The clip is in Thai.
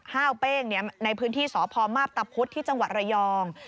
ห้าวเป้งในพื้นที่สพมาพตะพุธที่จังหวัดระยอง